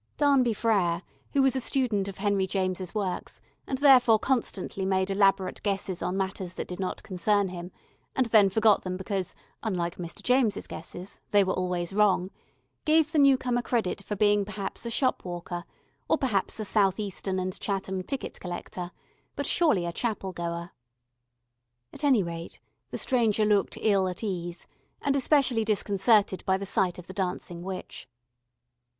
Darnby Frere, who was a student of Henry James's works, and therefore constantly made elaborate guesses on matters that did not concern him, and then forgot them because unlike Mr. James's guesses they were always wrong, gave the newcomer credit for being perhaps a shopwalker, or perhaps a South Eastern and Chatham ticket collector, but surely a chapel goer. At any rate the stranger looked ill at ease, and especially disconcerted by the sight of the dancing witch.